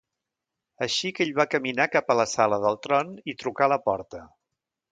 Així que ell va caminar cap a la sala del tron i trucà a la porta.